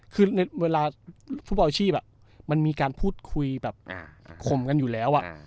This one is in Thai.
คือในเวลาฟุตบอลชีพมันมีการพูดคุยแบบข่มกันอยู่แล้ว